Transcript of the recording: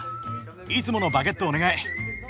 いつものバゲットお願い。